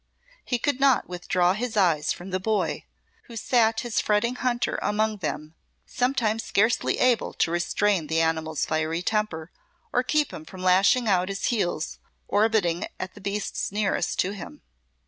He could not withdraw his eyes from the boy, who sat his fretting hunter among them, sometimes scarcely able to restrain the animal's fiery temper or keep him from lashing out his heels orbiting at the beasts nearest to him.